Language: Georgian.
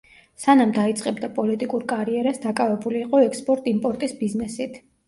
სანამ დაიწყებდა პოლიტიკურ კარიერას, დაკავებული იყო ექსპორტ-იმპორტის ბიზნესით.